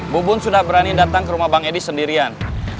bubun sudah berani datang ke rumah bang edi sendirian